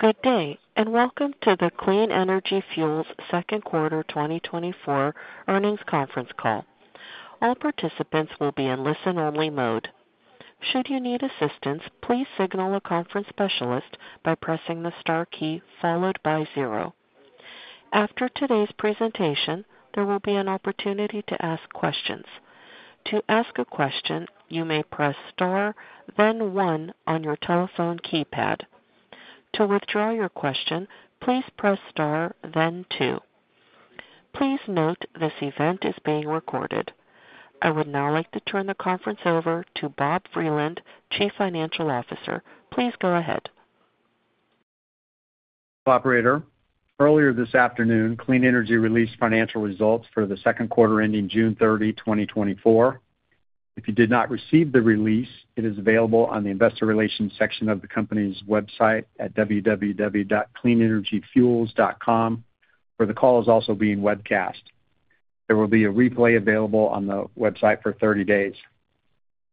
Good day and welcome to the Clean Energy Fuels 2024 Earnings Conference Call. All participants will be in listen-only mode. Should you need assistance, please signal a conference specialist by pressing the star key followed by zero. After today's presentation, there will be an opportunity to ask questions. To ask a question, you may press star, then one on your telephone keypad. To withdraw your question, please press star, then two. Please note this event is being recorded. I would now like to turn the conference over to Bob Vreeland, Chief Financial Officer. Please go ahead. Operator, earlier this afternoon, Clean Energy released financial results for the second quarter ending June 30, 2024. If you did not receive the release, it is available on the investor relations section of the company's website at www.cleanenergyfuels.com, where the call is also being webcast. There will be a replay available on the website for 30 days.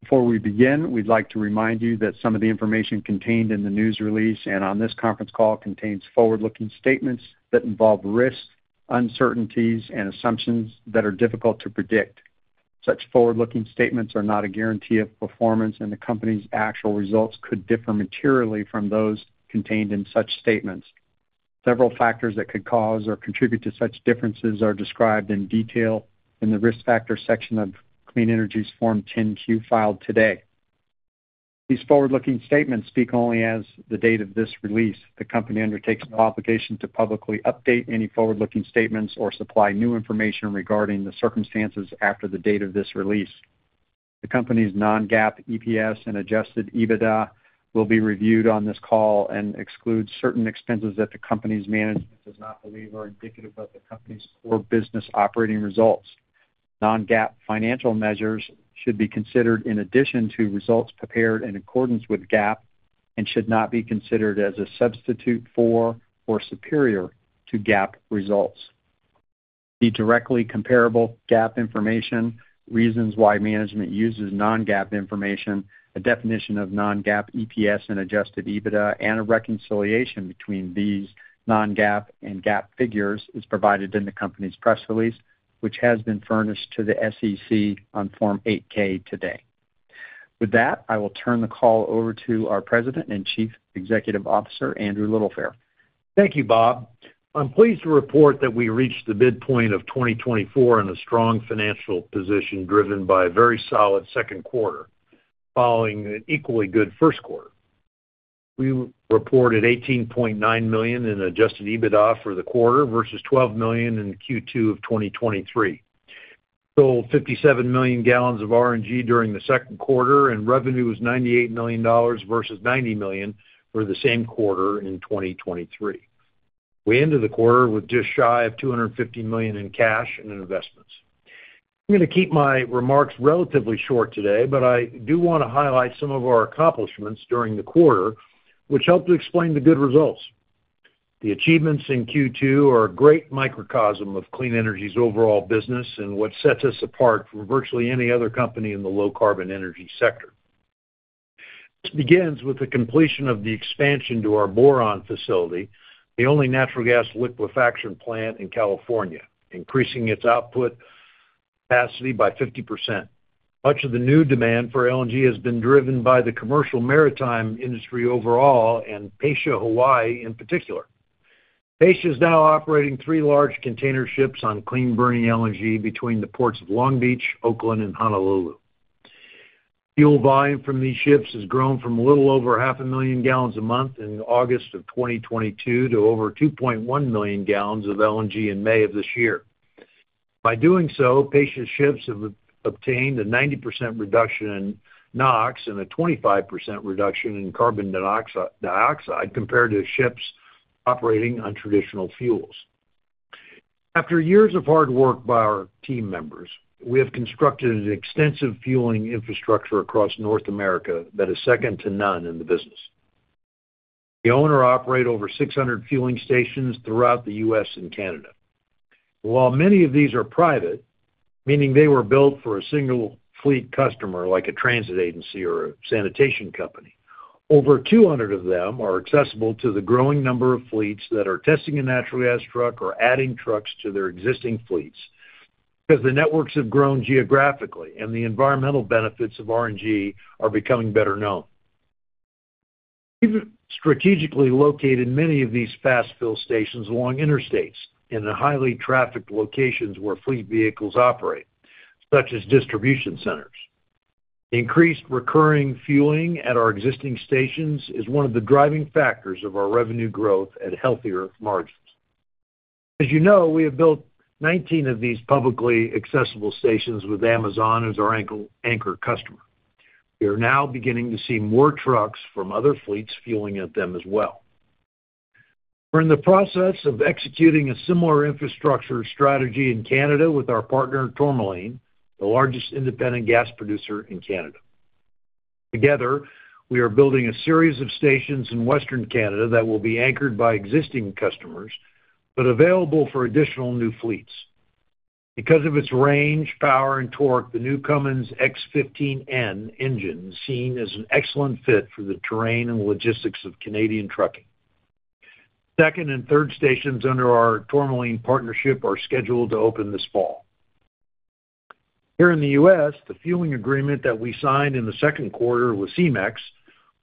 Before we begin, we'd like to remind you that some of the information contained in the news release and on this conference call contains forward-looking statements that involve risks, uncertainties, and assumptions that are difficult to predict. Such forward-looking statements are not a guarantee of performance, and the company's actual results could differ materially from those contained in such statements. Several factors that could cause or contribute to such differences are described in detail in the risk factor section of Clean Energy's Form 10-Q filed today. These forward-looking statements speak only as of the date of this release. The company undertakes no obligation to publicly update any forward-looking statements or supply new information regarding the circumstances after the date of this release. The company's non-GAAP EPS and Adjusted EBITDA will be reviewed on this call and exclude certain expenses that the company's management does not believe are indicative of the company's core business operating results. Non-GAAP financial measures should be considered in addition to results prepared in accordance with GAAP and should not be considered as a substitute for or superior to GAAP results. The directly comparable GAAP information, reasons why management uses non-GAAP information, a definition of non-GAAP EPS and Adjusted EBITDA, and a reconciliation between these non-GAAP and GAAP figures is provided in the company's press release, which has been furnished to the SEC on Form 8-K today. With that, I will turn the call over to our President and Chief Executive Officer, Andrew Littlefair. Thank you, Bob. I'm pleased to report that we reached the midpoint of 2024 in a strong financial position driven by a very solid second quarter following an equally good first quarter. We reported $18.9 million in Adjusted EBITDA for the quarter vs $12 million in Q2 of 2023. We sold 57 million gallons of RNG during the second quarter, and revenue was $98 million vs $90 million for the same quarter in 2023. We ended the quarter with just shy of $250 million in cash and investments. I'm going to keep my remarks relatively short today, but I do want to highlight some of our accomplishments during the quarter, which helped to explain the good results. The achievements in Q2 are a great microcosm of Clean Energy's overall business and what sets us apart from virtually any other company in the low-carbon energy sector. This begins with the completion of the expansion to our Boron facility, the only natural gas liquefaction plant in California, increasing its output capacity by 50%. Much of the new demand for LNG has been driven by the commercial maritime industry overall and Pasha Hawaii in particular. Pasha is now operating three large container ships on clean-burning LNG between the ports of Long Beach, Oakland, and Honolulu. Fuel volume from these ships has grown from a little over 500,000 gallons a month in August of 2022 to over 2.1 million gallons of LNG in May of this year. By doing so, Pasha's ships have obtained a 90% reduction in NOx and a 25% reduction in carbon dioxide compared to ships operating on traditional fuels. After years of hard work by our team members, we have constructed an extensive fueling infrastructure across North America that is second to none in the business. We own or operate over 600 fueling stations throughout the U.S. and Canada. While many of these are private, meaning they were built for a single fleet customer like a transit agency or a sanitation company, over 200 of them are accessible to the growing number of fleets that are testing a natural gas truck or adding trucks to their existing fleets because the networks have grown geographically and the environmental benefits of RNG are becoming better known. We've strategically located many of these fast-fuel stations along interstates in the highly trafficked locations where fleet vehicles operate, such as distribution centers. Increased recurring fueling at our existing stations is one of the driving factors of our revenue growth at healthier margins. As you know, we have built 19 of these publicly accessible stations with Amazon as our anchor customer. We are now beginning to see more trucks from other fleets fueling at them as well. We're in the process of executing a similar infrastructure strategy in Canada with our partner, Tourmaline, the largest independent gas producer in Canada. Together, we are building a series of stations in Western Canada that will be anchored by existing customers but available for additional new fleets. Because of its range, power, and torque, the new Cummins X15N engine is seen as an excellent fit for the terrain and logistics of Canadian trucking. Second and third stations under our Tourmaline partnership are scheduled to open this fall. Here in the U.S., the fueling agreement that we signed in the second quarter with CEMEX,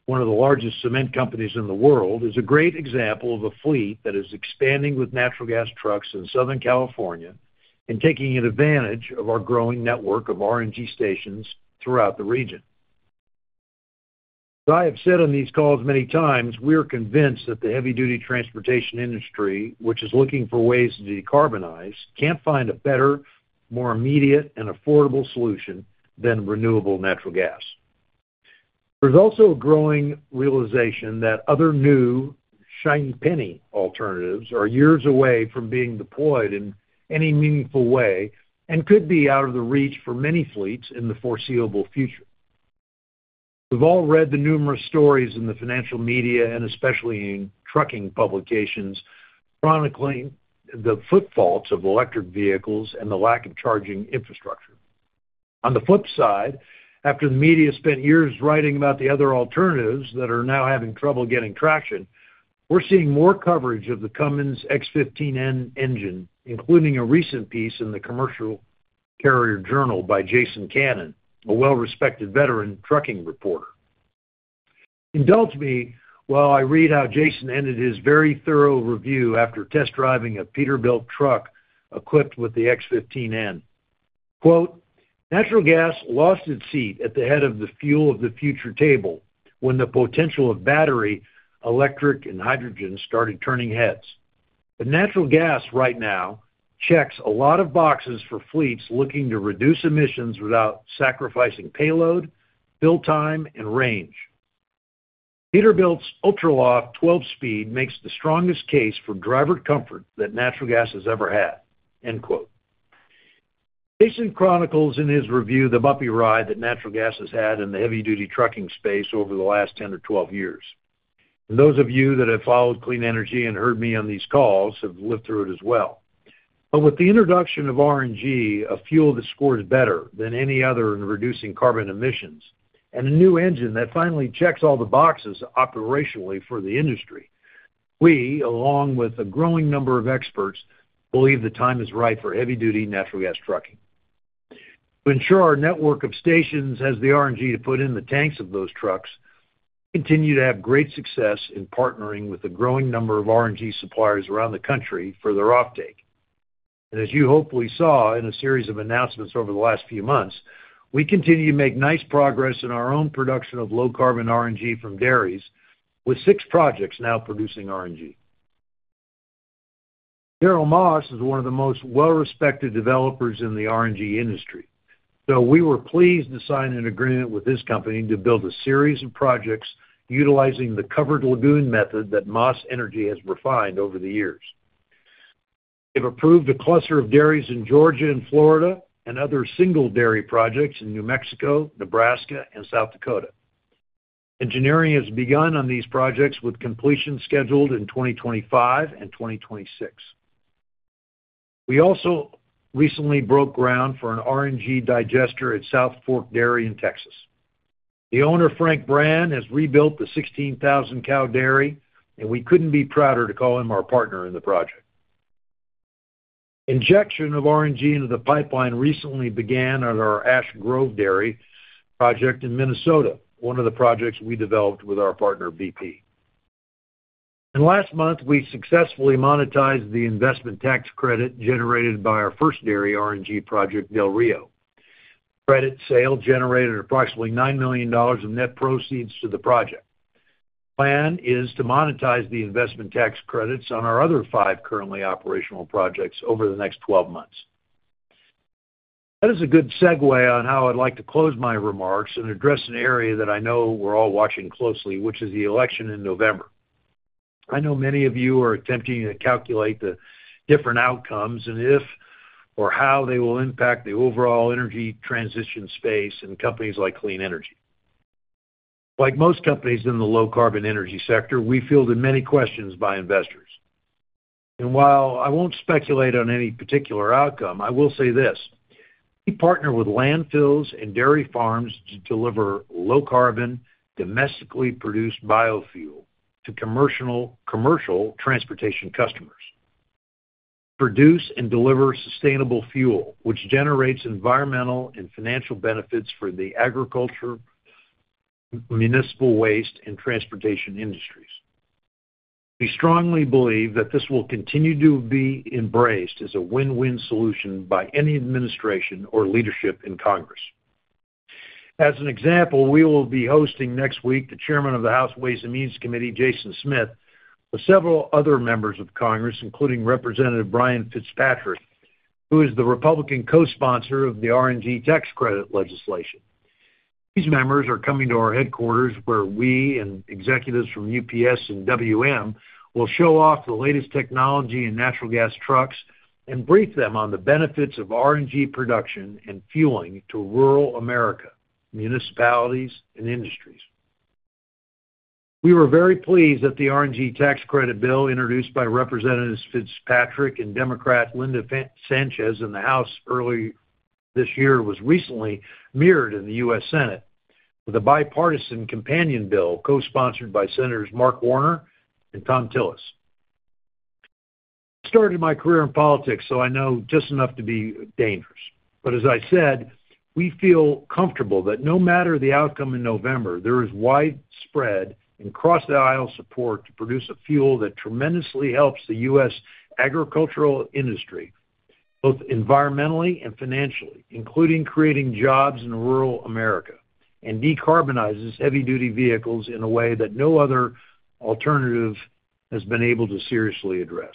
one of the largest cement companies in the world, is a great example of a fleet that is expanding with natural gas trucks in Southern California and taking advantage of our growing network of RNG stations throughout the region. As I have said on these calls many times, we are convinced that the heavy-duty transportation industry, which is looking for ways to decarbonize, can't find a better, more immediate, and affordable solution than renewable natural gas. There's also a growing realization that other new shiny-penny alternatives are years away from being deployed in any meaningful way and could be out of the reach for many fleets in the foreseeable future. We've all read the numerous stories in the financial media and especially in trucking publications chronicling the footfalls of electric vehicles and the lack of charging infrastructure. On the flip side, after the media spent years writing about the other alternatives that are now having trouble getting traction, we're seeing more coverage of the Cummins X15N engine, including a recent piece in the Commercial Carrier Journal by Jason Cannon, a well-respected veteran trucking reporter. Indulge me while I read how Jason ended his very thorough review after test driving a Peterbilt truck equipped with the X15N. "Natural gas lost its seat at the head of the fuel of the future table when the potential of battery, electric, and hydrogen started turning heads. But natural gas right now checks a lot of boxes for fleets looking to reduce emissions without sacrificing payload, fill time, and range. Peterbilt's UltraLoft 12-speed makes the strongest case for driver comfort that natural gas has ever had." Jason chronicles in his review the bumpy ride that natural gas has had in the heavy-duty trucking space over the last 10 or 12 years. And those of you that have followed Clean Energy and heard me on these calls have lived through it as well. But with the introduction of RNG, a fuel that scores better than any other in reducing carbon emissions, and a new engine that finally checks all the boxes operationally for the industry, we, along with a growing number of experts, believe the time is right for heavy-duty natural gas trucking. To ensure our network of stations has the RNG to put in the tanks of those trucks, we continue to have great success in partnering with a growing number of RNG suppliers around the country for their offtake. As you hopefully saw in a series of announcements over the last few months, we continue to make nice progress in our own production of low-carbon RNG from dairies, with six projects now producing RNG. Daryl Maas is one of the most well-respected developers in the RNG industry, so we were pleased to sign an agreement with this company to build a series of projects utilizing the covered lagoon method that Maas Energy has refined over the years. They've approved a cluster of dairies in Georgia and Florida and other single dairy projects in New Mexico, Nebraska, and South Dakota. Engineering has begun on these projects with completion scheduled in 2025 and 2026. We also recently broke ground for an RNG digester at South Fork Dairy in Texas. The owner, Frank Brand, has rebuilt the 16,000-cow dairy, and we couldn't be prouder to call him our partner in the project. Injection of RNG into the pipeline recently began at our Ash Grove Dairy project in Minnesota, one of the projects we developed with our partner, BP. Last month, we successfully monetized the investment tax credit generated by our first dairy RNG project, Del Rio. Credit sale generated approximately $9 million of net proceeds to the project. The plan is to monetize the investment tax credits on our other five currently operational projects over the next 12 months. That is a good segue on how I'd like to close my remarks and address an area that I know we're all watching closely, which is the election in November. I know many of you are attempting to calculate the different outcomes and if or how they will impact the overall energy transition space in companies like Clean Energy. Like most companies in the low-carbon energy sector, we fielded many questions by investors. While I won't speculate on any particular outcome, I will say this: we partner with landfills and dairy farms to deliver low-carbon, domestically produced biofuel to commercial transportation customers. We produce and deliver sustainable fuel, which generates environmental and financial benefits for the agriculture, municipal waste, and transportation industries. We strongly believe that this will continue to be embraced as a win-win solution by any administration or leadership in Congress. As an example, we will be hosting next week the Chairman of the House Ways and Means Committee, Jason Smith, with several other members of Congress, including Representative Brian Fitzpatrick, who is the Republican co-sponsor of the RNG tax credit legislation. These members are coming to our headquarters where we and executives from UPS and WM will show off the latest technology in natural gas trucks and brief them on the benefits of RNG production and fueling to rural America, municipalities, and industries. We were very pleased that the RNG tax credit bill introduced by Representative Fitzpatrick and Democrat Linda Sánchez in the House early this year was recently mirrored in the U.S. Senate with a bipartisan companion bill co-sponsored by Senators Mark Warner and Tom Tillis. I started my career in politics, so I know just enough to be dangerous. As I said, we feel comfortable that no matter the outcome in November, there is widespread and cross-aisle support to produce a fuel that tremendously helps the U.S. agricultural industry both environmentally and financially, including creating jobs in rural America, and decarbonizes heavy-duty vehicles in a way that no other alternative has been able to seriously address.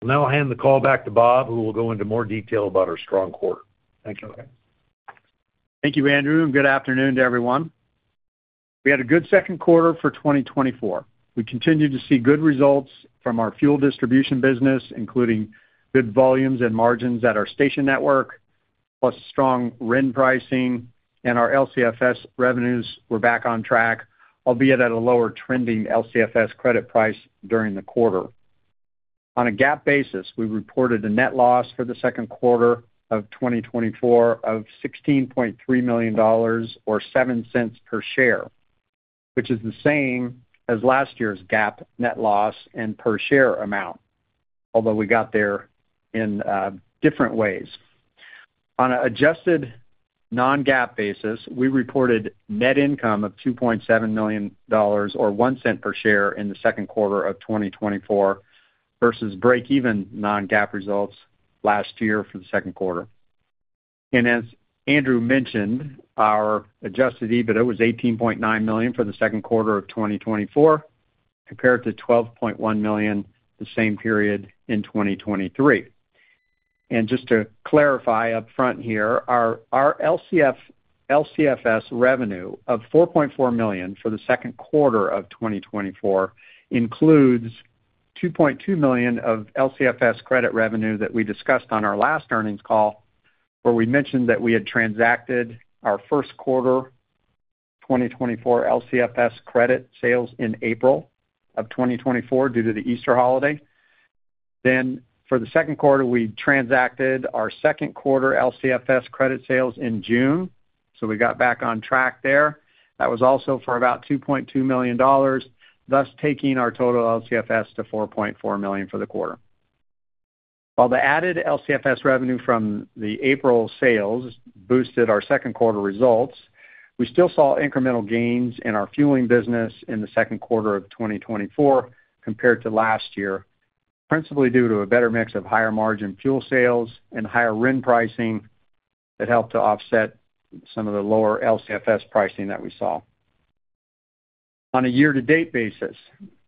I'll now hand the call back to Bob, who will go into more detail about our strong quarter. Thank you. Thank you, Andrew. Good afternoon to everyone. We had a good second quarter for 2024. We continue to see good results from our fuel distribution business, including good volumes and margins at our station network, plus strong RIN pricing, and our LCFS revenues were back on track, albeit at a lower trending LCFS credit price during the quarter. On a GAAP basis, we reported a net loss for the second quarter of 2024 of $16.3 million or $0.07 per share, which is the same as last year's GAAP net loss and per share amount, although we got there in different ways. On an adjusted non-GAAP basis, we reported net income of $2.7 million or $0.01 per share in the second quarter of 2024 vs break-even non-GAAP results last year for the second quarter. As Andrew mentioned, our Adjusted EBITDA was $18.9 million for the second quarter of 2024 compared to $12.1 million the same period in 2023. Just to clarify upfront here, our LCFS revenue of $4.4 million for the second quarter of 2024 includes $2.2 million of LCFS credit revenue that we discussed on our last earnings call, where we mentioned that we had transacted our first quarter 2024 LCFS credit sales in April of 2024 due to the Easter holiday. For the second quarter, we transacted our second quarter LCFS credit sales in June, so we got back on track there. That was also for about $2.2 million, thus taking our total LCFS to $4.4 million for the quarter. While the added LCFS revenue from the April sales boosted our second quarter results, we still saw incremental gains in our fueling business in the second quarter of 2024 compared to last year, principally due to a better mix of higher margin fuel sales and higher RIN pricing that helped to offset some of the lower LCFS pricing that we saw. On a year-to-date basis,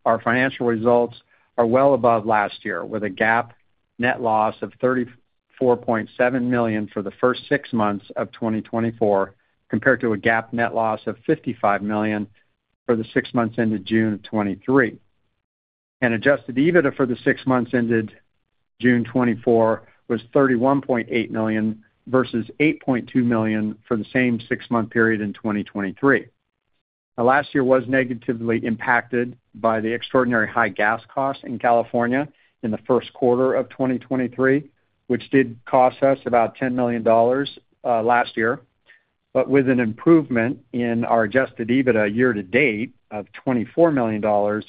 our financial results are well above last year, with a GAAP net loss of $34.7 million for the first six months of 2024 compared to a GAAP net loss of $55 million for the six months ended June of 2023. And adjusted EBITDA for the six months ended June 2024 was $31.8 million vs $8.2 million for the same six-month period in 2023. Last year was negatively impacted by the extraordinary high gas costs in California in the first quarter of 2023, which did cost us about $10 million last year. But with an improvement in our adjusted EBITDA year-to-date of $24 million,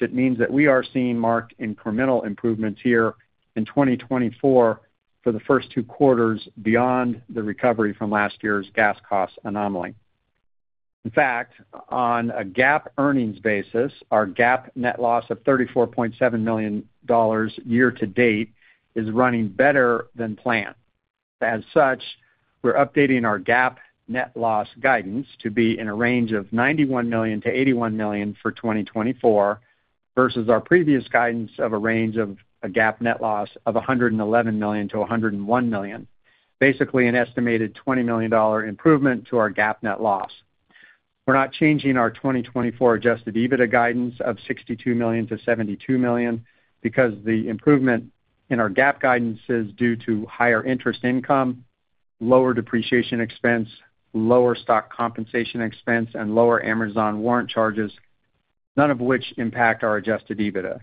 it means that we are seeing marked incremental improvements here in 2024 for the first two quarters beyond the recovery from last year's gas cost anomaly. In fact, on a GAAP earnings basis, our GAAP net loss of $34.7 million year-to-date is running better than planned. As such, we're updating our GAAP net loss guidance to be in a range of $91 million-$81 million for 2024 vs our previous guidance of a range of a GAAP net loss of $111 million-$101 million, basically an estimated $20 million improvement to our GAAP net loss. We're not changing our 2024 adjusted EBITDA guidance of $62 million-$72 million because the improvement in our GAAP guidance is due to higher interest income, lower depreciation expense, lower stock compensation expense, and lower Amazon warrant charges, none of which impact our adjusted EBITDA.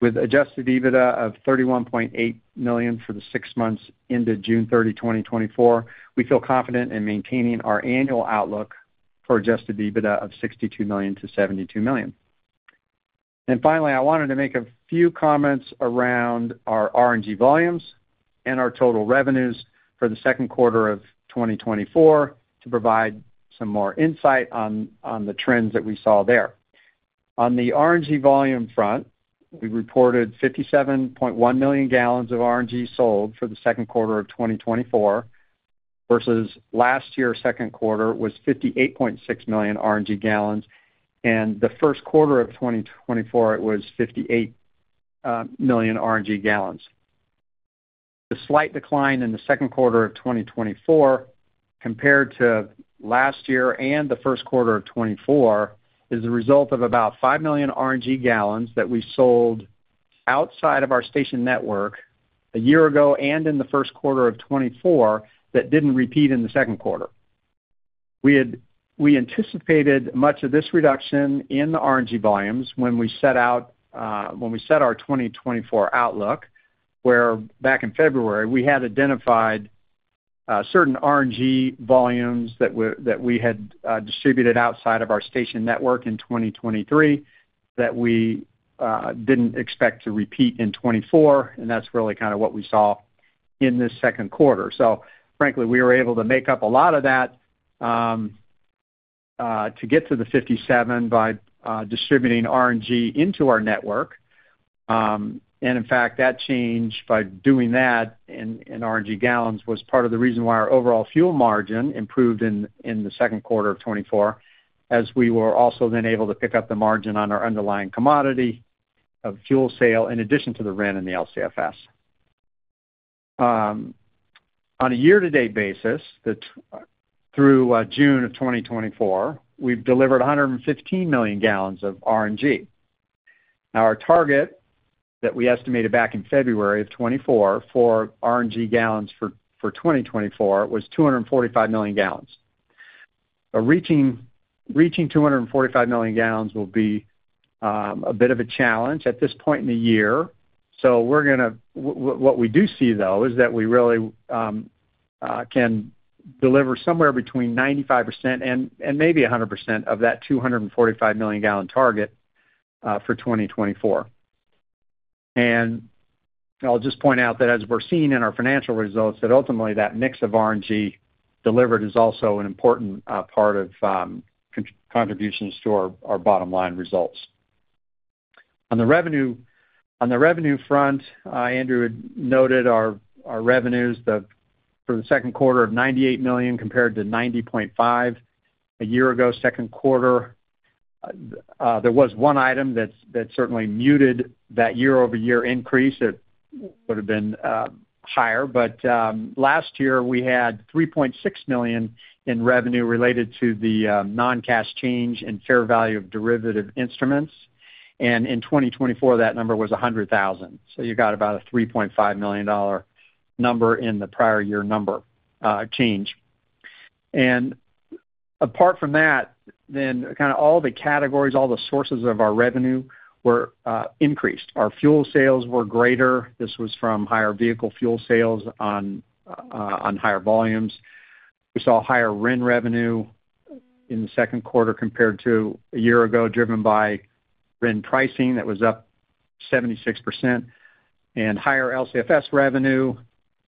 With adjusted EBITDA of $31.8 million for the six months ended June 30, 2024, we feel confident in maintaining our annual outlook for adjusted EBITDA of $62 million-$72 million. And finally, I wanted to make a few comments around our RNG volumes and our total revenues for the second quarter of 2024 to provide some more insight on the trends that we saw there. On the RNG volume front, we reported 57.1 million gallons of RNG sold for the second quarter of 2024 versus last year's second quarter was 58.6 million RNG gallons, and the first quarter of 2024 it was 58 million RNG gallons. The slight decline in the second quarter of 2024 compared to last year and the first quarter of 2024 is the result of about 5 million RNG gallons that we sold outside of our station network a year ago and in the first quarter of 2024 that didn't repeat in the second quarter. We anticipated much of this reduction in the RNG volumes when we set our 2024 outlook, where back in February we had identified certain RNG volumes that we had distributed outside of our station network in 2023 that we didn't expect to repeat in 2024, and that's really kind of what we saw in this second quarter. So frankly, we were able to make up a lot of that to get to the 57 by distributing RNG into our network. And in fact, that change by doing that in RNG gallons was part of the reason why our overall fuel margin improved in the second quarter of 2024, as we were also then able to pick up the margin on our underlying commodity of fuel sale in addition to the RIN and the LCFS. On a year-to-date basis, through June of 2024, we've delivered 115 million gallons of RNG. Now, our target that we estimated back in February of 2024 for RNG gallons for 2024 was 245 million gallons. Reaching 245 million gallons will be a bit of a challenge at this point in the year. So what we do see, though, is that we really can deliver somewhere between 95% and maybe 100% of that 245 million gallon target for 2024. And I'll just point out that as we're seeing in our financial results, that ultimately that mix of RNG delivered is also an important part of contributions to our bottom line results. On the revenue front, Andrew noted our revenues for the second quarter of $98 million compared to $90.5 million a year ago second quarter. There was one item that certainly muted that year-over-year increase that would have been higher, but last year we had $3.6 million in revenue related to the non-cash change in fair value of derivative instruments. In 2024, that number was $100,000. You got about a $3.5 million number in the prior year number change. Apart from that, then kind of all the categories, all the sources of our revenue were increased. Our fuel sales were greater. This was from higher vehicle fuel sales on higher volumes. We saw higher RIN revenue in the second quarter compared to a year ago, driven by RIN pricing that was up 76%, and higher LCFS revenue,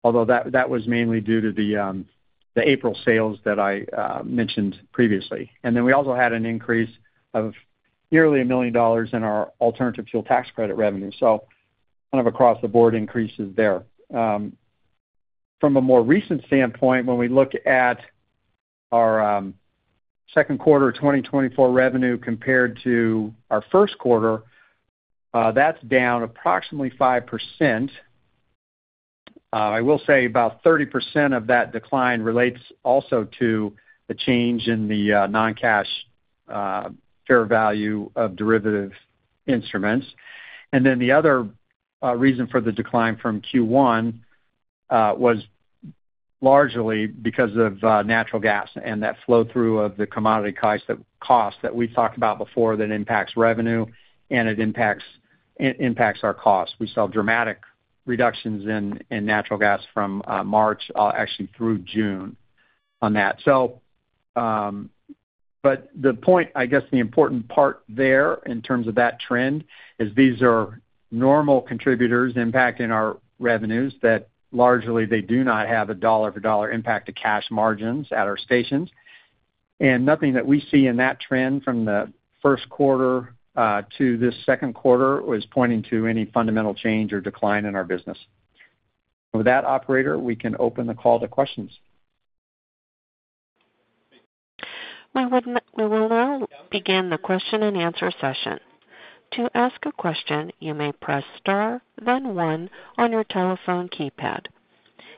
although that was mainly due to the April sales that I mentioned previously. We also had an increase of nearly $1 million in our alternative fuel tax credit revenue. So kind of across the board increases there. From a more recent standpoint, when we look at our second quarter 2024 revenue compared to our first quarter, that's down approximately 5%. I will say about 30% of that decline relates also to the change in the non-cash fair value of derivative instruments. And then the other reason for the decline from Q1 was largely because of natural gas and that flow-through of the commodity cost that we talked about before that impacts revenue, and it impacts our costs. We saw dramatic reductions in natural gas from March, actually through June on that. But the point, I guess the important part there in terms of that trend is these are normal contributors impacting our revenues that largely they do not have a dollar-for-dollar impact to cash margins at our stations. Nothing that we see in that trend from the first quarter to this second quarter was pointing to any fundamental change or decline in our business. With that, Operator, we can open the call to questions. We will now begin the question-and-answer session. To ask a question, you may press star, then one on your telephone keypad.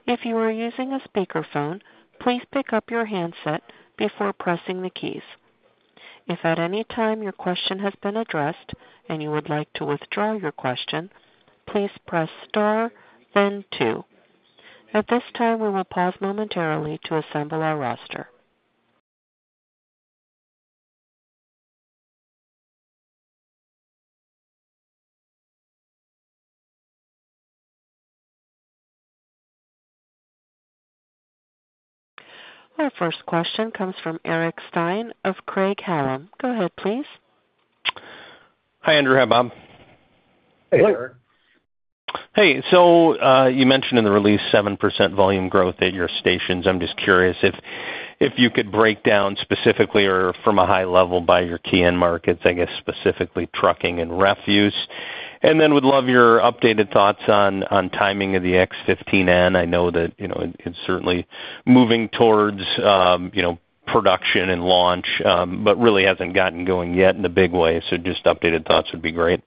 If you are using a speakerphone, please pick up your handset before pressing the keys. If at any time your question has been addressed and you would like to withdraw your question, please press star, then two. At this time, we will pause momentarily to assemble our roster. Our first question comes from Eric Stine of Craig-Hallum. Go ahead, please. Hi, Andrew. How about? Hey, Eric. Hey. So you mentioned in the release 7% volume growth at your stations. I'm just curious if you could break down specifically or from a high level by your key end markets, I guess specifically trucking and refuse. And then would love your updated thoughts on timing of the X15N. I know that it's certainly moving towards production and launch, but really hasn't gotten going yet in a big way. So just updated thoughts would be great.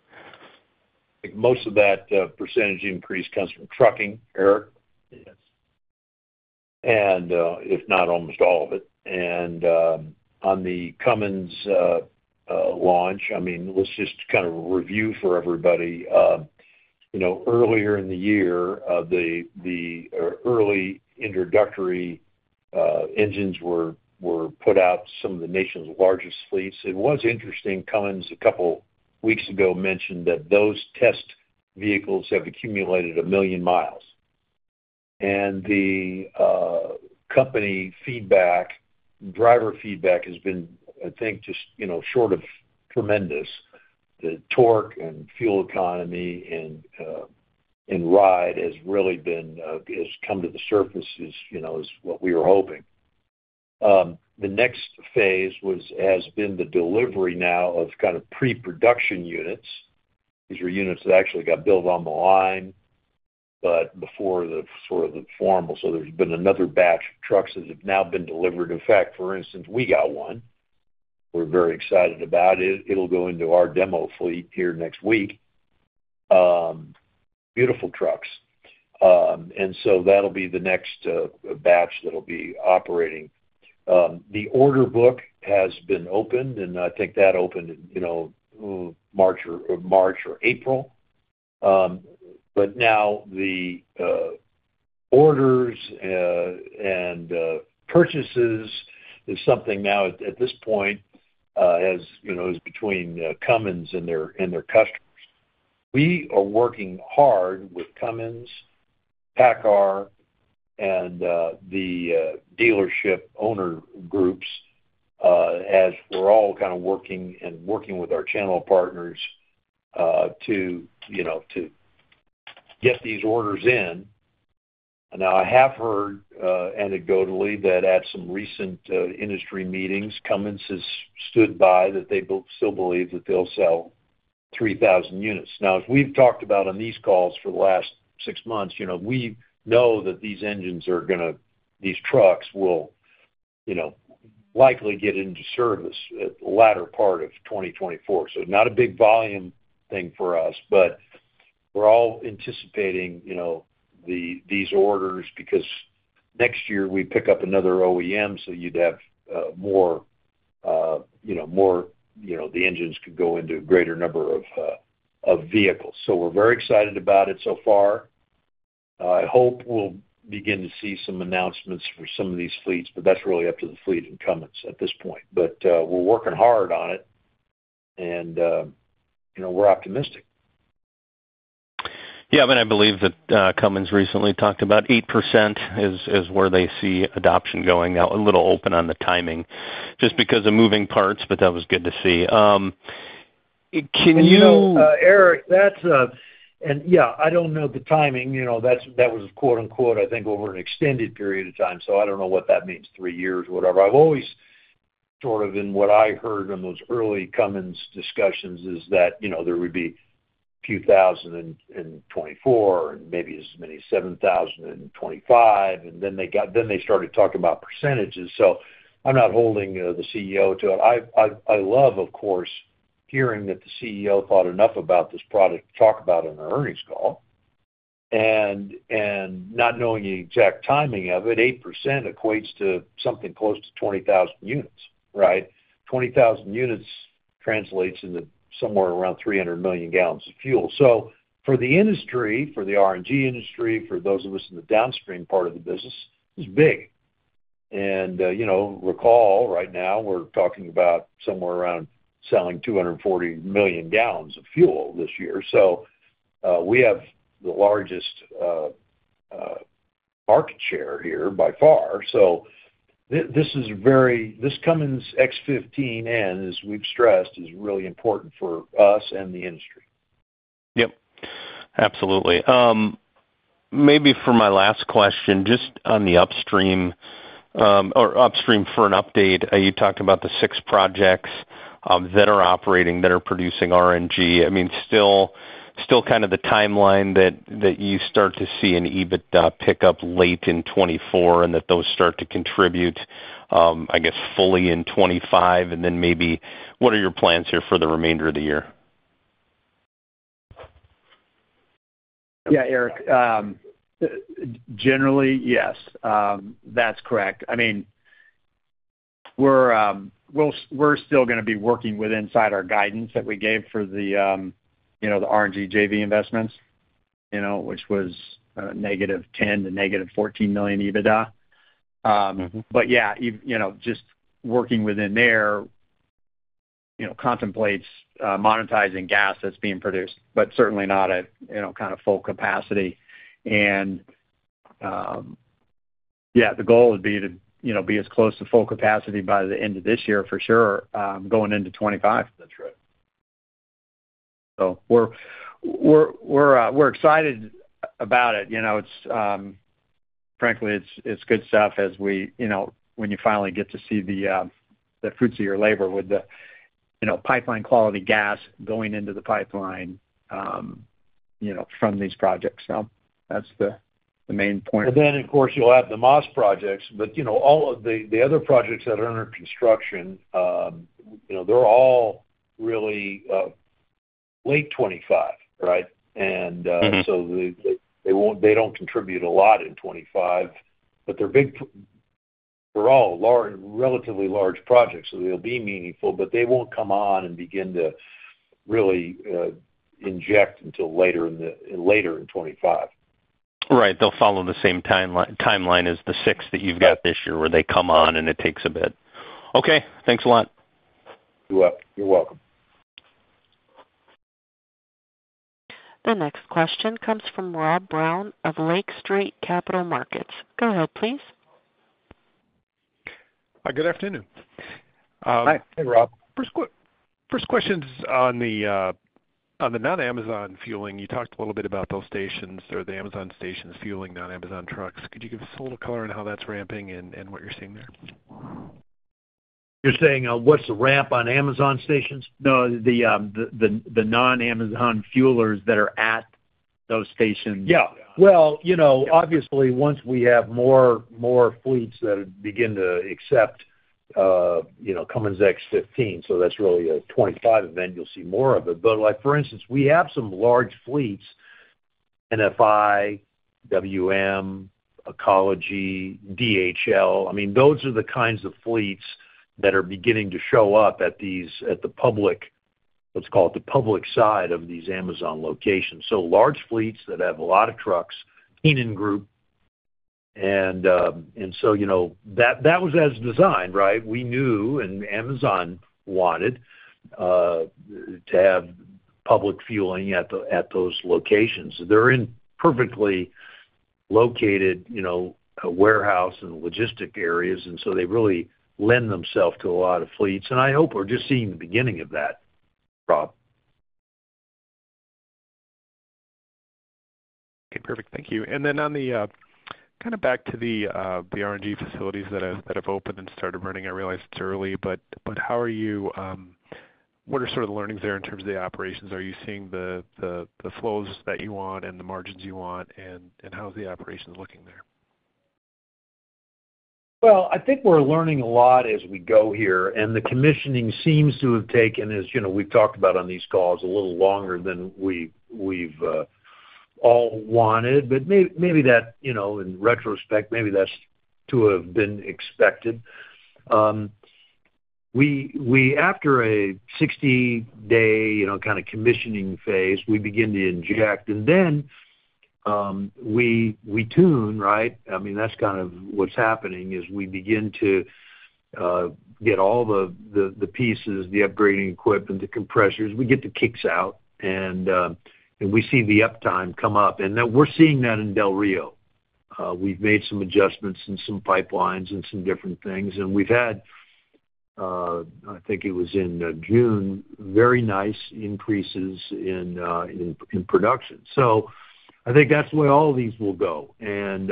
Most of that % increase comes from trucking, Eric. If not, almost all of it. On the Cummins launch, I mean, let's just kind of review for everybody. Earlier in the year, the early introductory engines were put out, some of the nation's largest fleets. It was interesting. Cummins a couple of weeks ago mentioned that those test vehicles have accumulated 1 million miles. The company feedback, driver feedback has been, I think, just short of tremendous. The torque and fuel economy and ride has really come to the surface, is what we were hoping. The next phase has been the delivery now of kind of pre-production units. These are units that actually got built on the line, but before the sort of the formal. There's been another batch of trucks that have now been delivered. In fact, for instance, we got one. We're very excited about it. It'll go into our demo fleet here next week. Beautiful trucks. And so that'll be the next batch that'll be operating. The order book has been opened, and I think that opened in March or April. But now the orders and purchases is something now at this point is between Cummins and their customers. We are working hard with Cummins, PACCAR, and the dealership owner groups as we're all kind of working and working with our channel partners to get these orders in. Now, I have heard anecdotally that at some recent industry meetings, Cummins has stood by that they still believe that they'll sell 3,000 units. Now, as we've talked about on these calls for the last six months, we know that these engines are going to, these trucks will likely get into service at the latter part of 2024. So, not a big volume thing for us, but we're all anticipating these orders because next year we pick up another OEM, so you'd have more the engines could go into a greater number of vehicles. So we're very excited about it so far. I hope we'll begin to see some announcements for some of these fleets, but that's really up to the fleet and Cummins at this point. But we're working hard on it, and we're optimistic. Yeah. I mean, I believe that Cummins recently talked about 8% is where they see adoption going. Now, a little open on the timing just because of moving parts, but that was good to see. Eric, that's—and yeah, I don't know the timing. That was "quote unquote," I think, over an extended period of time. So I don't know what that means, three years or whatever. I've always sort of, in what I heard in those early Cummins discussions, is that there would be a few thousand in 2024 and maybe as many as 7,000 in 2025, and then they started talking about %s. So I'm not holding the CEO to it. I love, of course, hearing that the CEO thought enough about this product to talk about it in our earnings call. And not knowing the exact timing of it, 8% equates to something close to 20,000 units, right? 20,000 units translates into somewhere around 300 million gallons of fuel. So for the industry, for the RNG industry, for those of us in the downstream part of the business, it's big. Recall right now, we're talking about somewhere around selling 240 million gallons of fuel this year. We have the largest market share here by far. This Cummins X15N, as we've stressed, is really important for us and the industry. Yep. Absolutely. Maybe for my last question, just on the upstream for an update, you talked about the six projects that are operating, that are producing RNG. I mean, still kind of the timeline that you start to see in EBITDA pick up late in 2024 and that those start to contribute, I guess, fully in 2025. And then maybe what are your plans here for the remainder of the year? Yeah, Eric. Generally, yes. That's correct. I mean, we're still going to be working with inside our guidance that we gave for the RNG JV investments, which was -$10 million to -$14 million EBITDA. But yeah, just working within there contemplates monetizing gas that's being produced, but certainly not at kind of full capacity. And yeah, the goal would be to be as close to full capacity by the end of this year for sure, going into 2025. That's right. So we're excited about it. Frankly, it's good stuff as when you finally get to see the fruits of your labor with the pipeline quality gas going into the pipeline from these projects. So that's the main point. And then, of course, you'll have the Maas projects, but all of the other projects that are under construction, they're all really late 2025, right? They don't contribute a lot in 2025, but they're all relatively large projects. They'll be meaningful, but they won't come on and begin to really inject until later in 2025. Right. They'll follow the same timeline as the six that you've got this year where they come on and it takes a bit. Okay. Thanks a lot. You're welcome. The next question comes from Rob Brown of Lake Street Capital Markets. Go ahead, please. Hi, good afternoon. Hi. Hey, Rob. First question is on the non-Amazon fueling. You talked a little bit about those stations or the Amazon stations fueling non-Amazon trucks. Could you give us a little color on how that's ramping and what you're seeing there? You're saying, what's the ramp on Amazon stations? No, the non-Amazon fuelers that are at those stations. Yeah. Well, obviously, once we have more fleets that begin to accept Cummins X15N, so that's really a 2025 event, you'll see more of it. But for instance, we have some large fleets, NFI, WM, Ecology, DHL. I mean, those are the kinds of fleets that are beginning to show up at the public, let's call it the public side of these Amazon locations. So large fleets that have a lot of trucks, Kenan Group. And so that was as designed, right? We knew and Amazon wanted to have public fueling at those locations. They're in perfectly located warehouse and logistic areas, and so they really lend themselves to a lot of fleets. And I hope we're just seeing the beginning of that, Rob. Okay. Perfect. Thank you. And then kind of back to the RNG facilities that have opened and started running. I realize it's early, but how are you—what are sort of the learnings there in terms of the operations? Are you seeing the flows that you want and the margins you want? And how's the operations looking there? Well, I think we're learning a lot as we go here. And the commissioning seems to have taken, as we've talked about on these calls, a little longer than we've all wanted. But maybe that, in retrospect, maybe that's to have been expected. After a 60-day kind of commissioning phase, we begin to inject. And then we tune, right? I mean, that's kind of what's happening is we begin to get all the pieces, the upgrading equipment, the compressors. We get the kicks out, and we see the uptime come up. And we're seeing that in Del Rio. We've made some adjustments in some pipelines and some different things. And we've had, I think it was in June, very nice increases in production. So I think that's where all these will go. And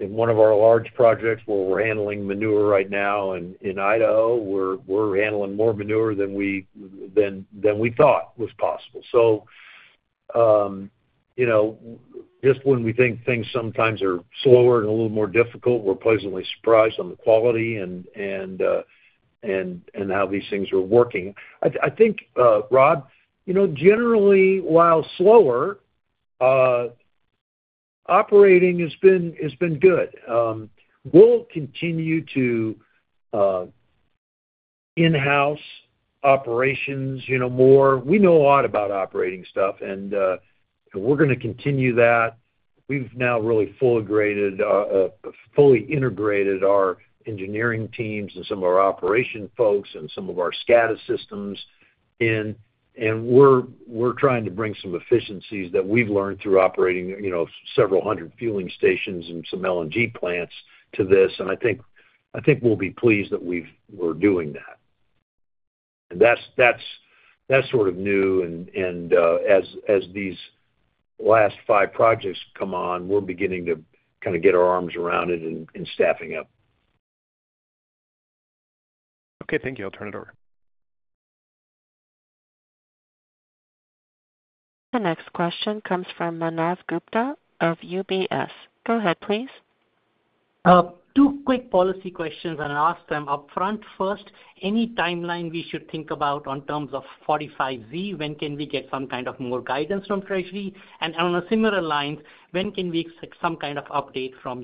in one of our large projects where we're handling manure right now in Idaho, we're handling more manure than we thought was possible. So just when we think things sometimes are slower and a little more difficult, we're pleasantly surprised on the quality and how these things are working. I think, Rob, generally, while slower, operating has been good. We'll continue to in-house operations more. We know a lot about operating stuff, and we're going to continue that. We've now really fully integrated our engineering teams and some of our operation folks and some of our SCADA systems. And we're trying to bring some efficiencies that we've learned through operating several hundred fueling stations and some LNG plants to this. And I think we'll be pleased that we're doing that. And that's sort of new. As these last five projects come on, we're beginning to kind of get our arms around it and staffing up. Okay. Thank you. I'll turn it over. The next question comes from Manav Gupta of UBS. Go ahead, please. Two quick policy questions, and I'll ask them upfront. First, any timeline we should think about on terms of 45V? When can we get some kind of more guidance from Treasury? And on a similar line, when can we expect some kind of update from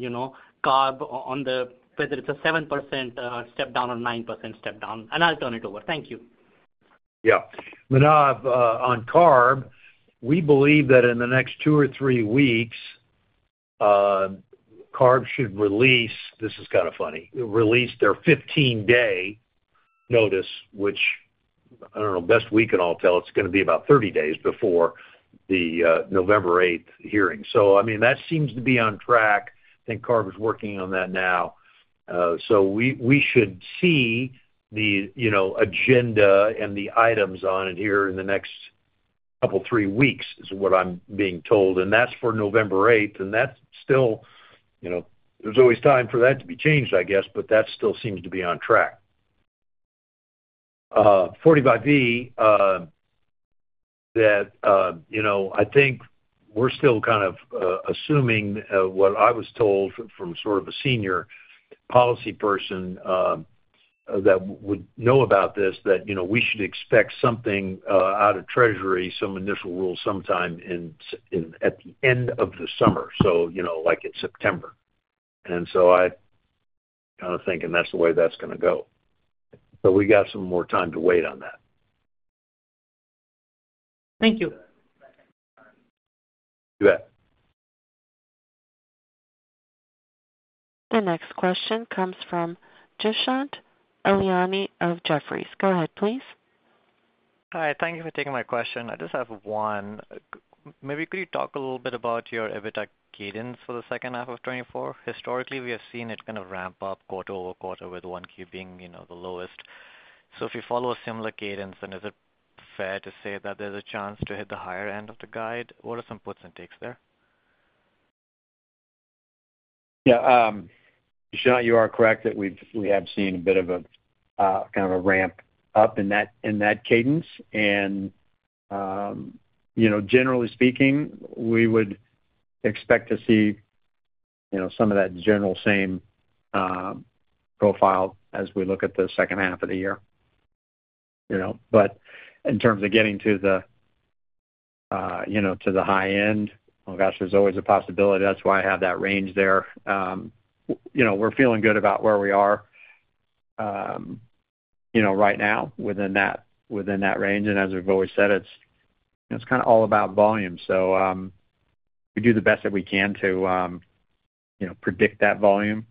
CARB on whether it's a 7% step down or 9% step down? And I'll turn it over. Thank you. Yeah. On CARB, we believe that in the next 2 or 3 weeks, CARB should release, this is kind of funny, release their 15-day notice, which I don't know. Best we can all tell, it's going to be about 30 days before the November 8th hearing. So I mean, that seems to be on track. I think CARB is working on that now. So we should see the agenda and the items on it here in the next couple, three weeks is what I'm being told. And that's for November 8th. And that's still. There's always time for that to be changed, I guess, but that still seems to be on track. 45V, that I think we're still kind of assuming what I was told from sort of a senior policy person that would know about this, that we should expect something out of Treasury, some initial rules sometime at the end of the summer, so like in September. And so I'm kind of thinking that's the way that's going to go. So we got some more time to wait on that. Thank you. You bet. The next question comes from Dushyant Ailani of Jefferies. Go ahead, please. Hi. Thank you for taking my question. I just have one. Maybe could you talk a little bit about your EBITDA cadence for the second half of 2024? Historically, we have seen it kind of ramp up quarter-over-quarter with one Q being the lowest. So if you follow a similar cadence, then is it fair to say that there's a chance to hit the higher end of the guide? What are some puts and takes there? Yeah. Dushyant, you are correct that we have seen a bit of a kind of a ramp up in that cadence. And generally speaking, we would expect to see some of that general same profile as we look at the second half of the year. But in terms of getting to the high end, oh gosh, there's always a possibility. That's why I have that range there. We're feeling good about where we are right now within that range. And as we've always said, it's kind of all about volume. So we do the best that we can to predict that volume.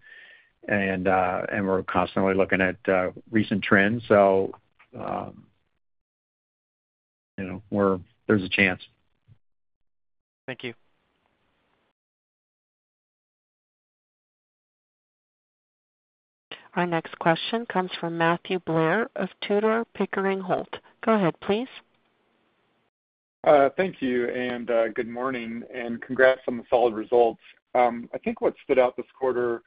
And we're constantly looking at recent trends. So there's a chance. Thank you. Our next question comes from Matthew Blair of Tudor, Pickering, Holt. Go ahead, please. Thank you. Good morning. Congrats on the solid results. I think what stood out this quarter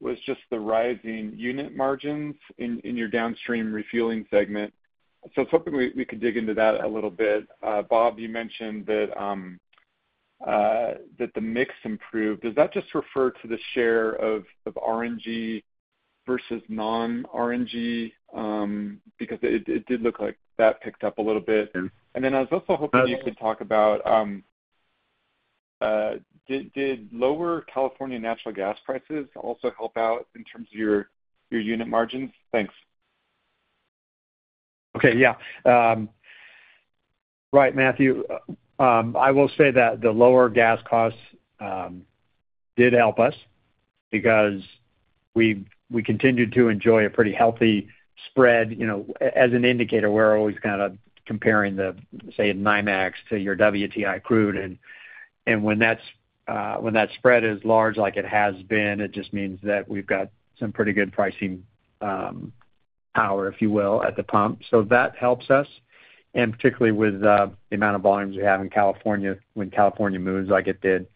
was just the rising unit margins in your downstream refueling segment. So I was hoping we could dig into that a little bit. Bob, you mentioned that the mix improved. Does that just refer to the share of RNG vs non-RNG? Because it did look like that picked up a little bit. And then I was also hoping you could talk about did lower California natural gas prices also help out in terms of your unit margins? Thanks. Okay. Yeah. Right, Matthew. I will say that the lower gas costs did help us because we continued to enjoy a pretty healthy spread. As an indicator, we're always kind of comparing the, say, NYMEX to your WTI crude. And when that spread is large like it has been, it just means that we've got some pretty good pricing power, if you will, at the pump. So that helps us. And particularly with the amount of volumes we have in California when California moves like it did,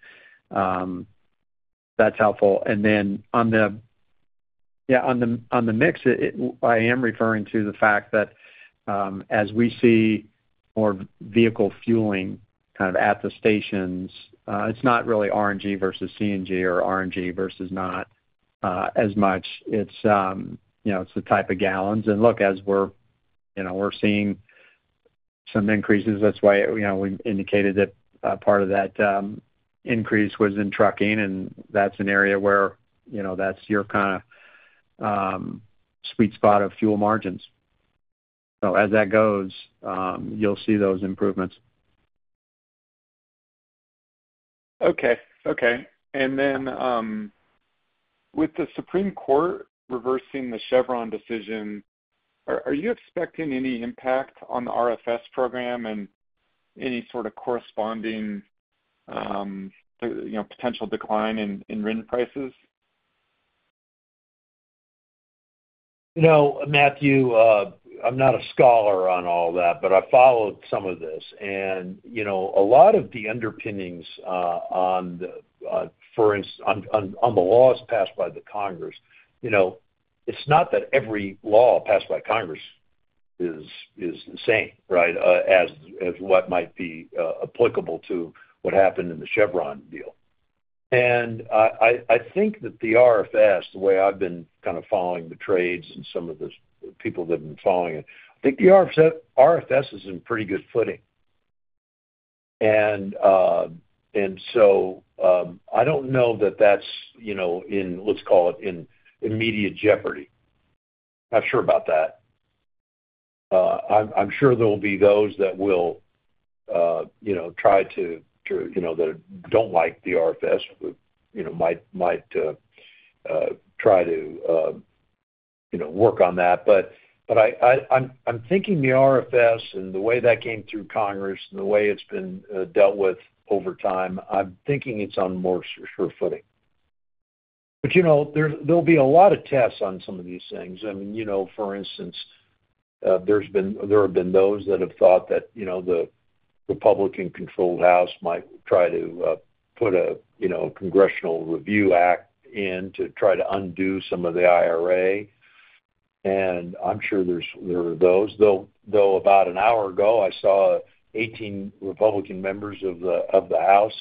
that's helpful. And then, yeah, on the mix, I am referring to the fact that as we see more vehicle fueling kind of at the stations, it's not really RNG vs CNG or RNG vs not as much. It's the type of gallons. And look, as we're seeing some increases, that's why we indicated that part of that increase was in trucking. That's an area where that's your kind of sweet spot of fuel margins. As that goes, you'll see those improvements. Okay. Okay. And then with the Supreme Court reversing the Chevron decision, are you expecting any impact on the RFS program and any sort of corresponding potential decline in RIN prices? Matthew, I'm not a scholar on all that, but I followed some of this. A lot of the underpinnings on the laws passed by the Congress, it's not that every law passed by Congress is the same, right, as what might be applicable to what happened in the Chevron deal. I think that the RFS, the way I've been kind of following the trades and some of the people that have been following it, I think the RFS is in pretty good footing. So I don't know that that's, let's call it, in immediate jeopardy. Not sure about that. I'm sure there will be those that will try to that don't like the RFS might try to work on that. But I'm thinking the RFS and the way that came through Congress and the way it's been dealt with over time, I'm thinking it's on more sure footing. But there'll be a lot of tests on some of these things. I mean, for instance, there have been those that have thought that the Republican-controlled House might try to put a Congressional Review Act in to try to undo some of the IRA. And I'm sure there are those. Though about an hour ago, I saw 18 Republican members of the House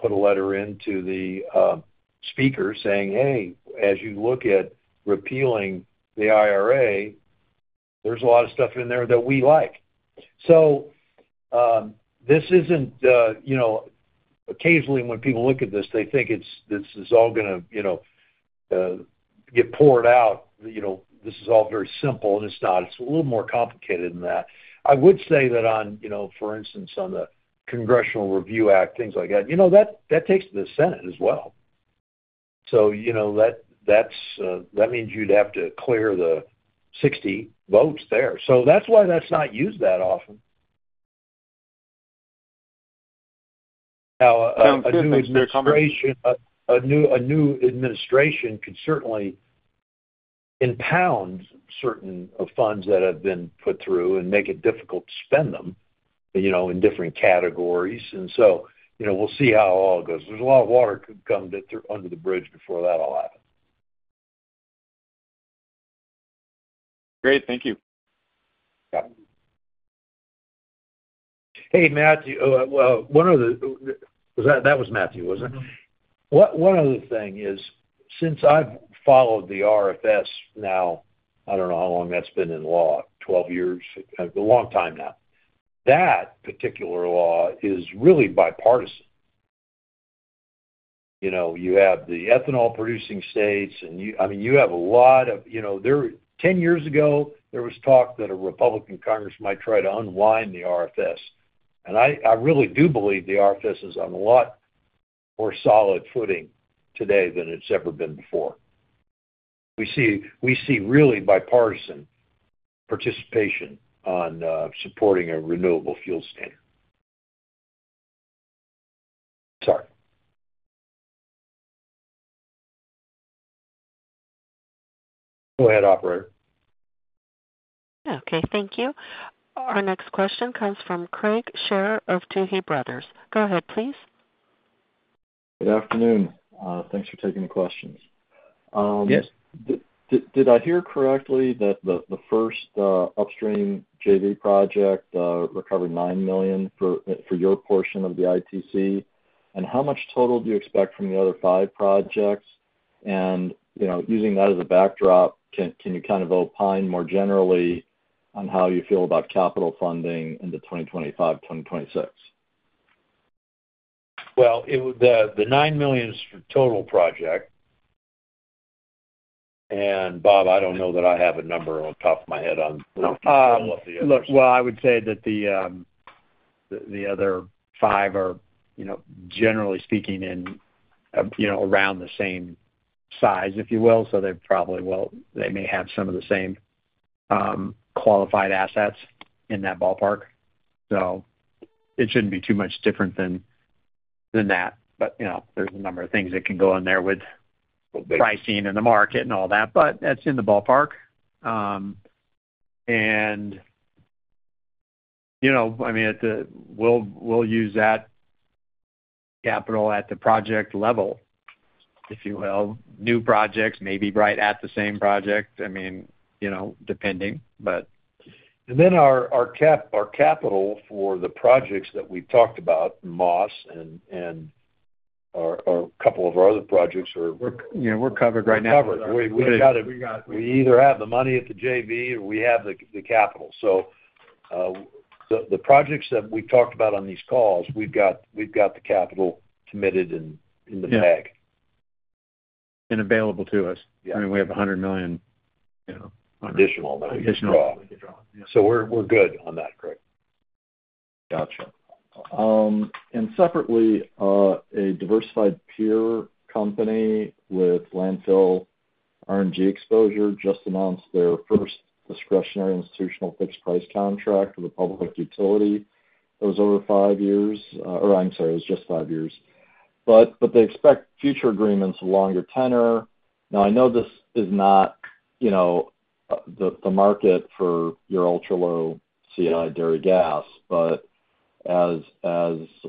put a letter into the speaker saying, "Hey, as you look at repealing the IRA, there's a lot of stuff in there that we like." So this isn't. Occasionally, when people look at this, they think this is all going to get poured out. This is all very simple, and it's not. It's a little more complicated than that. I would say that, for instance, on the Congressional Review Act, things like that, that takes to the Senate as well. So that means you'd have to clear the 60 votes there. So that's why that's not used that often. Now, a new administration could certainly impound certain funds that have been put through and make it difficult to spend them in different categories. And so we'll see how it all goes. There's a lot of water to come under the bridge before that all happens. Great. Thank you. Yeah. Hey, Matthew. Well, one of the—that was Matthew, wasn't it? One other thing is, since I've followed the RFS now, I don't know how long that's been in law, 12 years, a long time now. That particular law is really bipartisan. You have the ethanol-producing states. I mean, you have a lot of—10 years ago, there was talk that a Republican Congress might try to unwind the RFS. And I really do believe the RFS is on a lot more solid footing today than it's ever been before. We see really bipartisan participation on supporting a Renewable Fuel Standard. Sorry. Go ahead, operator. Okay. Thank you. Our next question comes from Craig Shere of Tuohy Brothers. Go ahead, please. Good afternoon. Thanks for taking the questions. Did I hear correctly that the first upstream JV project recovered $9 million for your portion of the ITC? And how much total do you expect from the other 5 projects? And using that as a backdrop, can you kind of opine more generally on how you feel about capital funding into 2025, 2026? Well, the $9 million is for total project. And Bob, I don't know that I have a number on top of my head on what the others are. Well, I would say that the other five are, generally speaking, around the same size, if you will. So they may have some of the same qualified assets in that ballpark. So it shouldn't be too much different than that. But there's a number of things that can go in there with pricing and the market and all that. But that's in the ballpark. And I mean, we'll use that capital at the project level, if you will. New projects, maybe right at the same project. I mean, depending. And then our capital for the projects that we've talked about, Maas and a couple of our other projects, we're covered right now. We're covered. We either have the money at the JV or we have the capital. The projects that we've talked about on these calls, we've got the capital committed in the bag. Available to us. I mean, we have $100 million. Additional. Additional. We're good on that, Craig. Gotcha. And separately, a diversified peer company with landfill RNG exposure just announced their first discretionary institutional fixed-price contract with a public utility. It was over five years. Or I'm sorry, it was just five years. But they expect future agreements of longer tenor. Now, I know this is not the market for your ultra-low CI dairy gas. But as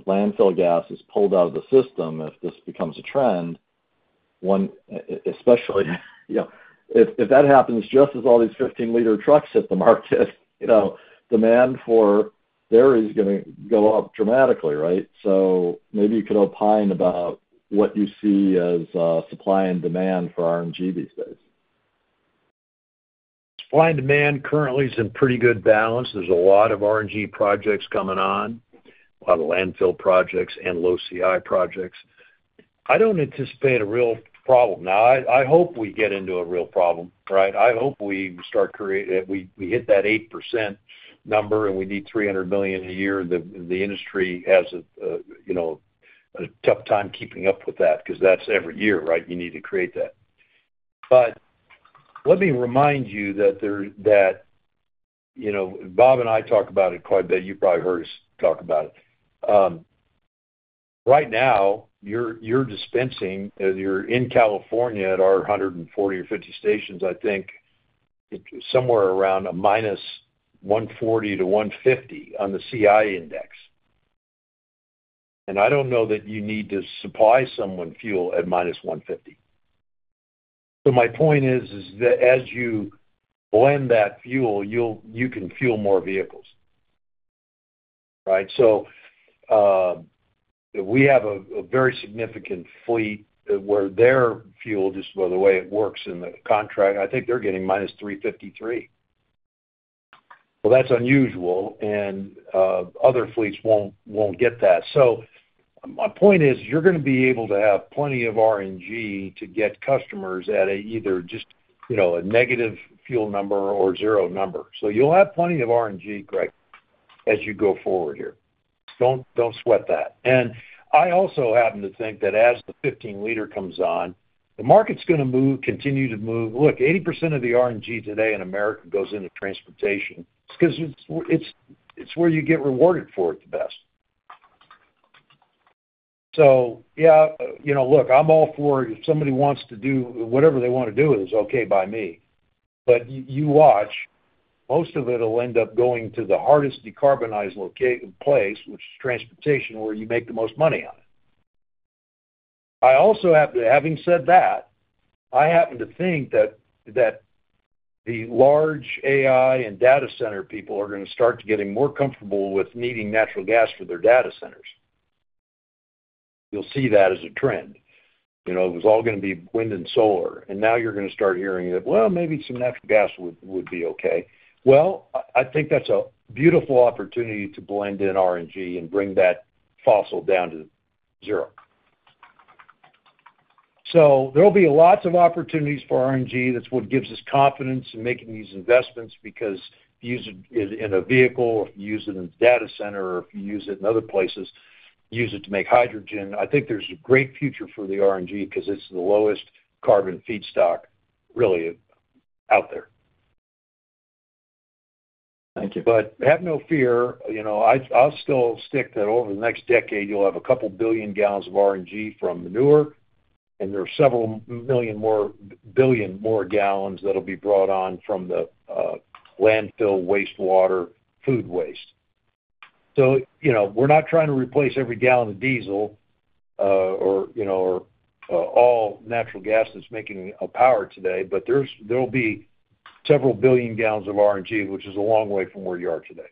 landfill gas is pulled out of the system, if this becomes a trend, especially if that happens just as all these 15-liter trucks hit the market, demand for dairy is going to go up dramatically, right? So maybe you could opine about what you see as supply and demand for RNG these days. Supply and demand currently is in pretty good balance. There's a lot of RNG projects coming on, a lot of landfill projects and low CI projects. I don't anticipate a real problem. Now, I hope we get into a real problem, right? I hope we start creating—we hit that 8% number and we need 300 million a year. The industry has a tough time keeping up with that because that's every year, right? You need to create that. But let me remind you that Bob and I talk about it quite a bit. You probably heard us talk about it. Right now, you're dispensing—you're in California at our 140 or 150 stations, I think, somewhere around a minus 140 to 150 on the CI index. And I don't know that you need to supply someone fuel at minus 150. So my point is that as you blend that fuel, you can fuel more vehicles, right? So we have a very significant fleet where their fuel—just by the way, it works in the contract—I think they're getting -353. Well, that's unusual. And other fleets won't get that. So my point is you're going to be able to have plenty of RNG to get customers at either just a negative fuel number or zero number. So you'll have plenty of RNG, Craig, as you go forward here. Don't sweat that. And I also happen to think that as the 15-liter comes on, the market's going to move, continue to move. Look, 80% of the RNG today in America goes into transportation because it's where you get rewarded for it the best. So yeah, look, I'm all for it. If somebody wants to do whatever they want to do, it's okay by me. But you watch, most of it will end up going to the hardest decarbonized place, which is transportation, where you make the most money on it. I also have to, having said that, I happen to think that the large AI and data center people are going to start getting more comfortable with needing natural gas for their data centers. You'll see that as a trend. It was all going to be wind and solar. And now you're going to start hearing that, well, maybe some natural gas would be okay. Well, I think that's a beautiful opportunity to blend in RNG and bring that fossil down to zero. So there will be lots of opportunities for RNG. That's what gives us confidence in making these investments because if you use it in a vehicle or if you use it in a data center or if you use it in other places, use it to make hydrogen, I think there's a great future for the RNG because it's the lowest carbon feedstock, really, out there. Thank you. But have no fear. I'll still stick that over the next decade, you'll have a couple billion gallons of RNG from manure. And there are several million more billion more gallons that will be brought on from the landfill wastewater, food waste. So we're not trying to replace every gallon of diesel or all natural gas that's making power today. But there will be several billion gallons of RNG, which is a long way from where you are today.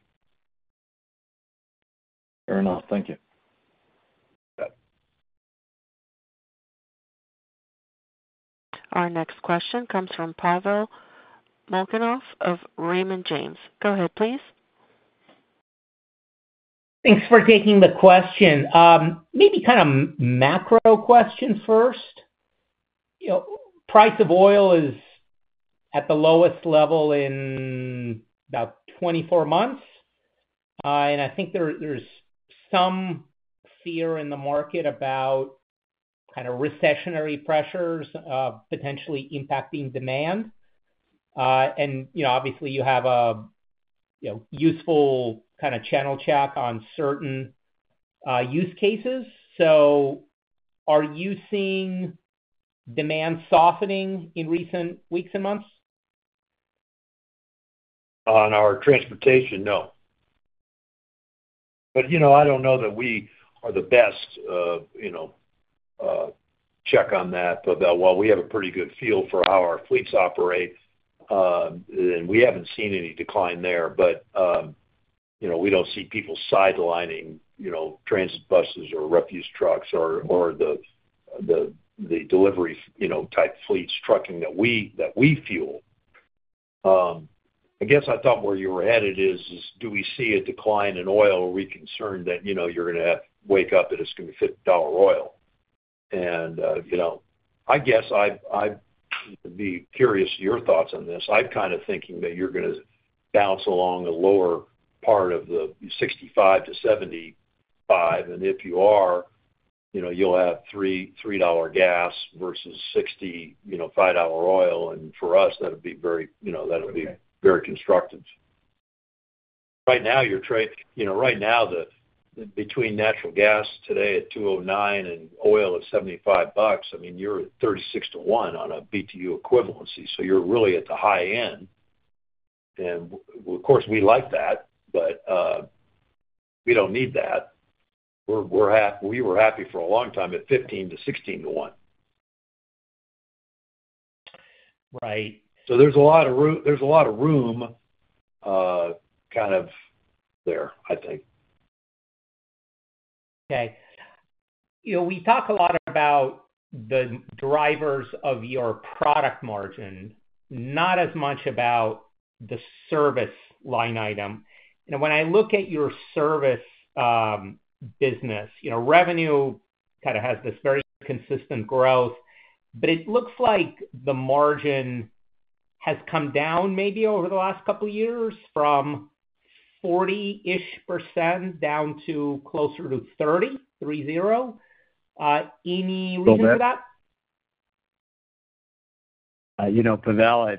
Fair enough. Thank you. You bet. Our next question comes from Pavel Molchanov of Raymond James. Go ahead, please. Thanks for taking the question. Maybe kind of macro question first. Price of oil is at the lowest level in about 24 months. I think there's some fear in the market about kind of recessionary pressures potentially impacting demand. Obviously, you have a useful kind of channel check on certain use cases. So are you seeing demand softening in recent weeks and months? On our transportation, no. But I don't know that we are the best check on that. While we have a pretty good feel for how our fleets operate, we haven't seen any decline there. But we don't see people sidelining transit buses or refuse trucks or the delivery-type fleets trucking that we fuel. I guess I thought where you were headed is, do we see a decline in oil? Are we concerned that you're going to wake up and it's going to be $50 oil? And I guess I'd be curious your thoughts on this. I'm kind of thinking that you're going to bounce along a lower part of the $65-$75. And if you are, you'll have $3 gas vs $65 oil. And for us, that would be very—that would be very constructive. Right now, between natural gas today at $2.09 and oil at $75, I mean, you're at 36-to-1 on a BTU equivalency. So you're really at the high end. And of course, we like that, but we don't need that. We were happy for a long time at 15-to-16-to-1. Right. There's a lot of room kind of there, I think. Okay. We talk a lot about the drivers of your product margin, not as much about the service line item. And when I look at your service business, revenue kind of has this very consistent growth. But it looks like the margin has come down maybe over the last couple of years from 40-ish% down to closer to 30%. Any reason for that? Pavel,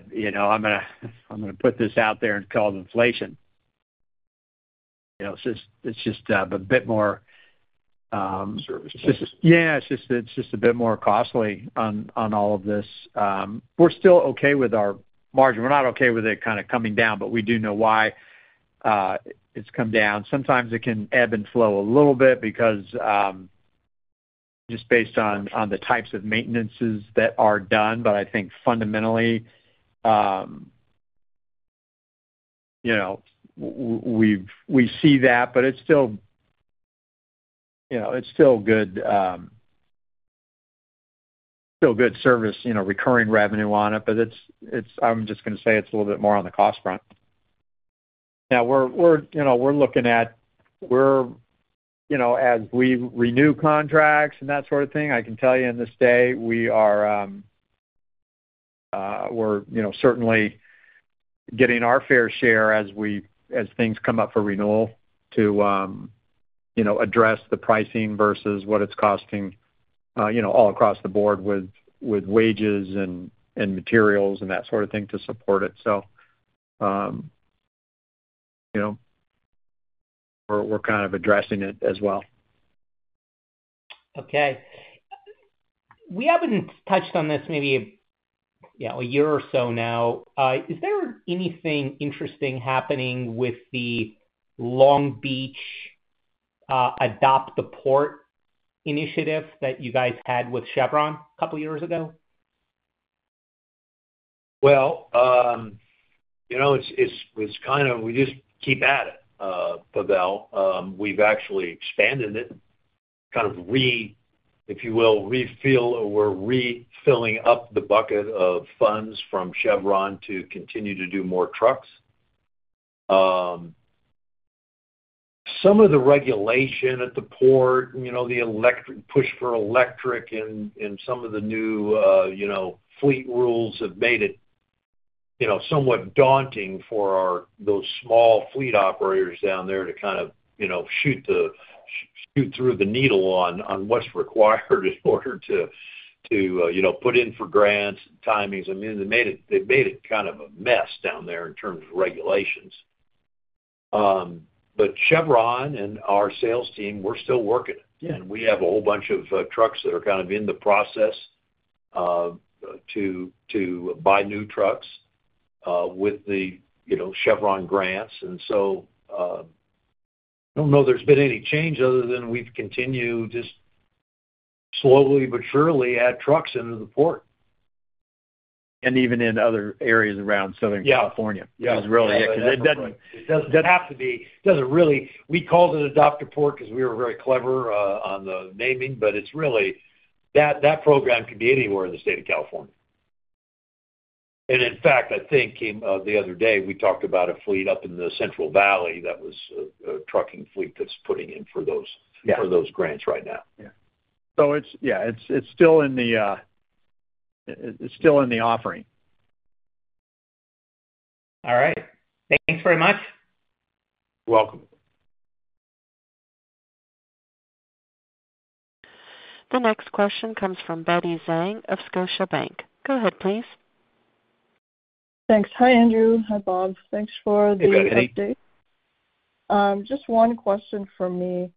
I'm going to put this out there and call it inflation. It's just a bit more. Service. Yeah. It's just a bit more costly on all of this. We're still okay with our margin. We're not okay with it kind of coming down, but we do know why it's come down. Sometimes it can ebb and flow a little bit because just based on the types of maintenances that are done. But I think fundamentally, we see that. But it's still good service, recurring revenue on it. But I'm just going to say it's a little bit more on the cost front. Now, we're looking at, as we renew contracts and that sort of thing, I can tell you in this day, we are certainly getting our fair share as things come up for renewal to address the pricing versus what it's costing all across the board with wages and materials and that sort of thing to support it. So we're kind of addressing it as well. Okay. We haven't touched on this maybe a year or so now. Is there anything interesting happening with the Long Beach Adopt-a-Port initiative that you guys had with Chevron a couple of years ago? Well, it's kind of, we just keep at it, Pavel. We've actually expanded it, kind of, if you will, refill or refilling up the bucket of funds from Chevron to continue to do more trucks. Some of the regulation at the port, the push for electric in some of the new fleet rules have made it somewhat daunting for those small fleet operators down there to kind of shoot through the needle on what's required in order to put in for grants and timings. I mean, they made it kind of a mess down there in terms of regulations. But Chevron and our sales team, we're still working. And we have a whole bunch of trucks that are kind of in the process to buy new trucks with the Chevron grants. I don't know there's been any change other than we've continued just slowly but surely to add trucks into the port. Even in other areas around Southern California. Yeah. Yeah. It doesn't really have to be. We called it Adopt-a-Port because we were very clever on the naming. But it's really that program could be anywhere in the state of California. And in fact, I think the other day we talked about a fleet up in the Central Valley that was a trucking fleet that's putting in for those grants right now. Yeah. So yeah, it's still in the offering. All right. Thanks very much. You're welcome. The next question comes from Betty Zhang of Scotiabank. Go ahead, please. Thanks. Hi, Andrew. Hi, Bob. Thanks for the update. You got it. Just one question for me.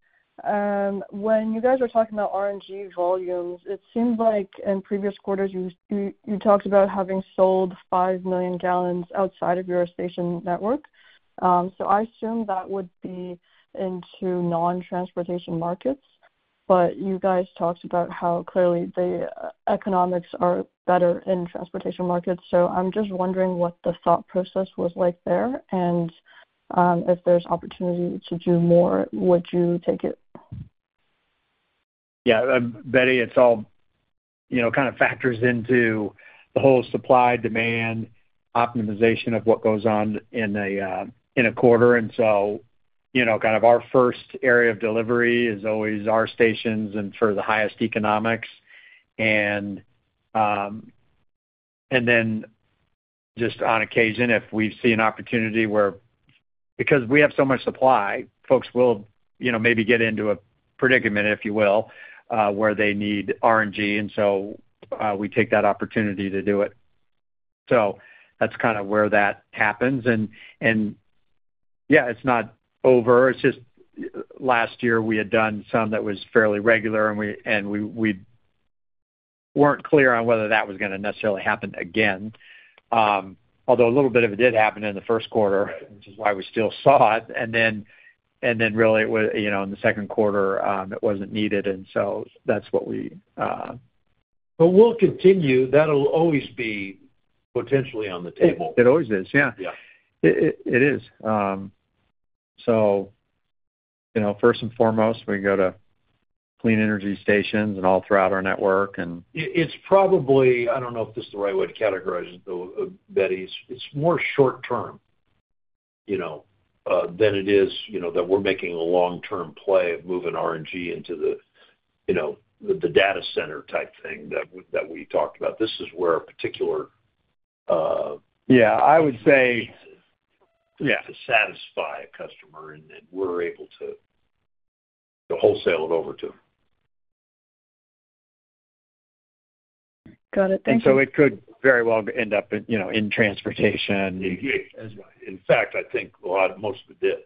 When you guys were talking about RNG volumes, it seems like in previous quarters you talked about having sold 5 million gallons outside of your station network. So I assume that would be into non-transportation markets. But you guys talked about how clearly the economics are better in transportation markets. So I'm just wondering what the thought process was like there and if there's opportunity to do more. Would you take it? Yeah. Betty, it all kind of factors into the whole supply-demand optimization of what goes on in a quarter. And so kind of our first area of delivery is always our stations and for the highest economics. And then just on occasion, if we see an opportunity where, because we have so much supply, folks will maybe get into a predicament, if you will, where they need RNG. And so we take that opportunity to do it. So that's kind of where that happens. And yeah, it's not over. It's just last year we had done some that was fairly regular. And we weren't clear on whether that was going to necessarily happen again. Although a little bit of it did happen in the first quarter, which is why we still saw it. And then really in the second quarter, it wasn't needed. And so that's what we— But we'll continue. That'll always be potentially on the table. It always is. Yeah. It is. So first and foremost, we go to Clean Energy stations and all throughout our network. And— It's probably—I don't know if this is the right way to categorize it, Betty. It's more short-term than it is that we're making a long-term play of moving RNG into the data center type thing that we talked about. This is where a particular— Yeah. I would say. Yeah. To satisfy a customer and then we're able to wholesale it over to them. Got it. Thank you. And so it could very well end up in transportation. In fact, I think most of it did.